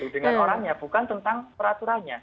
dengan orangnya bukan tentang peraturannya